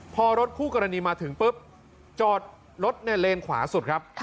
พอรถคู่กรณีมาถึงปุ๊บจอดรถในเลนขวาสุดครับ